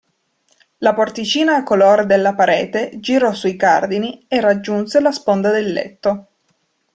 La porticina color della parete girò sui cardini e raggiunse la sponda del letto.